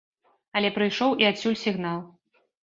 Але прыйшоў і адсюль сігнал.